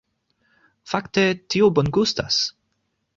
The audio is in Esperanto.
Fakte, tio bongustas